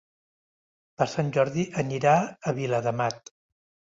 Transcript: Per Sant Jordi anirà a Viladamat.